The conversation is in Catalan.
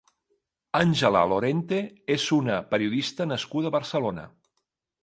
Angela Lorente és una periodista nascuda a Barcelona.